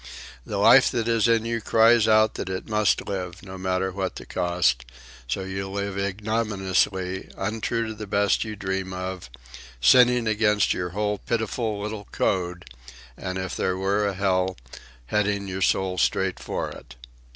The life that is in you cries out that it must live, no matter what the cost; so you live ignominiously, untrue to the best you dream of, sinning against your whole pitiful little code, and, if there were a hell, heading your soul straight for it.